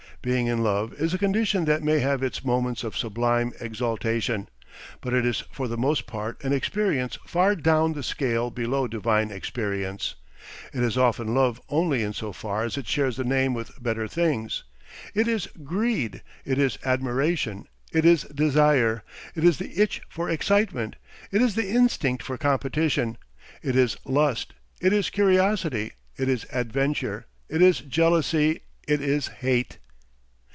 Being in love is a condition that may have its moments of sublime exaltation, but it is for the most part an experience far down the scale below divine experience; it is often love only in so far as it shares the name with better things; it is greed, it is admiration, it is desire, it is the itch for excitement, it is the instinct for competition, it is lust, it is curiosity, it is adventure, it is jealousy, it is hate.